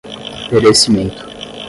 perecimento